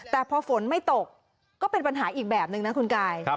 แต่พอฝนไม่ตกก็เป็นปัญหาอีกแบบนึงนะคุณกาย